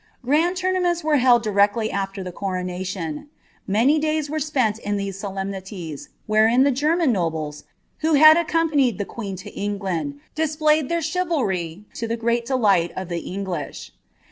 Grand louruamenis were held directly afler the coronation. MmT dayt were spent in these solemnities, wherein the German nobles, whc ha<l accompanied the queen lo England, displayed their ctiivmlry to thf great delight of the English.